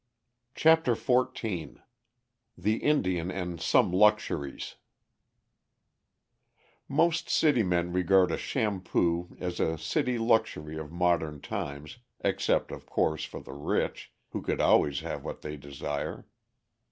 CHAPTER XIV THE INDIAN AND SOME LUXURIES Most city men regard a shampoo as a city luxury of modern times, except, of course, for the rich, who could always have what they desire.